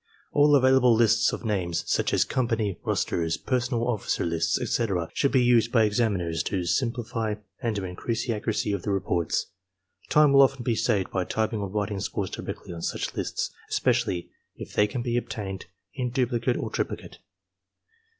All available lists of names, such as company rosters, personnel officer lists, etc., should be used by examiners to simpUfy and to increase the accuracy of the reports. Time will often be saved by typing or writing scores directly on such lists, especially if they can be obtained in duplicate or triplicate.